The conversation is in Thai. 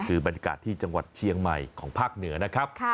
คือบรรยากาศที่จังหวัดเชียงใหม่ของภาคเหนือนะครับ